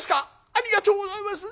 ありがとうございます！